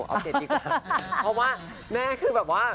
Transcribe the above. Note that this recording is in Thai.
เด็ดดีกว่าค่ะเพราะว่าแม่คือแบบว่า